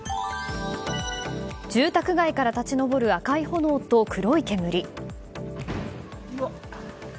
住宅街から立ち上る赤い炎と黒い煙。